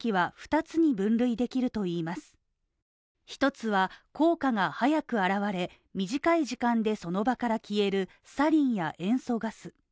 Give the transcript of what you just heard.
１つは、効果が早く現れ、短い時間でその場から消える、サリンや塩素ガス。